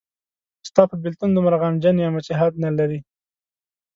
ستا په بېلتون دومره غمجن یمه چې حد نلري